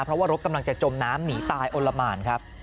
เพราะว่ารถกำลังจะจมน้ำหนีตายอลละหมานครับ